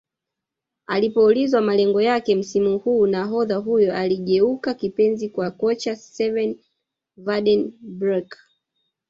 Alipoulizwa malengo yake msimu huu nahodha huyo aliyegeuka kipenzi kwa kocha Sven Vanden broeck